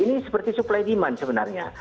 ini seperti supply demand sebenarnya